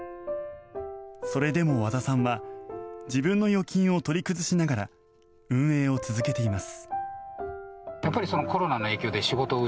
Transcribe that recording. それでも和田さんは自分の預金を取り崩しながら運営を続けています。